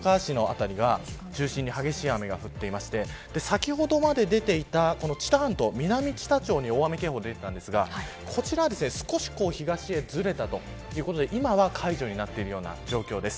それから豊川市の辺りが中心に激しい雨が降っていて先ほどまで出ていた知多半島南知多町に大雨警報が出ていたんですがこちらは少し東へずれたということで今は解除になっている状況です。